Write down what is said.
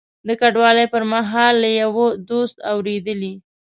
د کډوالۍ پر مهال له یوه دوست اورېدلي.